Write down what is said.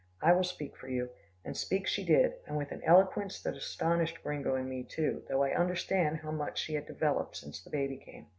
"I will speak for you," and speak she did, and with an eloquence that astonished Gringo and me, too, though I understand how much she had developed since the baby came.